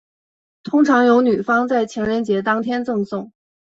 通常由女方在情人节当天赠送。